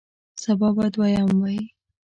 سبا به دویم وی